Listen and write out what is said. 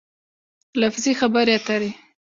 لفظي خبرې اترې